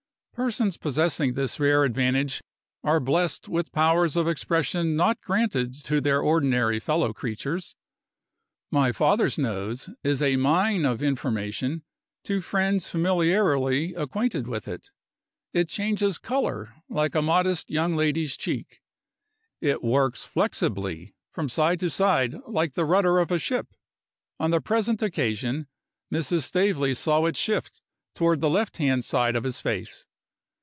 Persons possessing this rare advantage are blest with powers of expression not granted to their ordinary fellow creatures. My father's nose is a mine of information to friends familiarly acquainted with it. It changes color like a modest young lady's cheek. It works flexibly from side to side like the rudder of a ship. On the present occasion, Mrs. Staveley saw it shift toward the left hand side of his face.